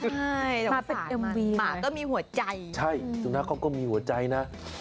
ใช่จากฝากมันมีหัวใจนะใช่ตรงนั้นเขาก็มีหัวใจนะ